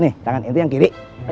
nih tangan itu yang kiri